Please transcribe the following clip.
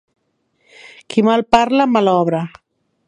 Qui mal parla, mal obra.